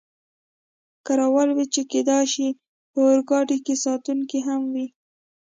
کې را ولوېد، چې کېدای شي په اورګاډي کې ساتونکي هم وي.